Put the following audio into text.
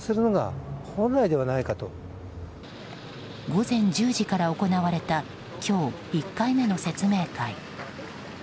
午前１０時から行われた今日１回目の説明会。